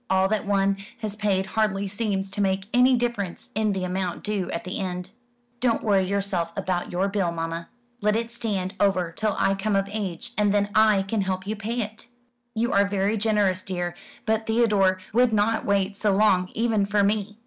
All that one has paid hardly seems to make any difference in the amount due at the end." "Don't worry yourself about your bill, mamma. Let it stand over till I come of age, and then I can help you to pay it." "You are very generous, dear; but Theodore would not wait so long, even for me.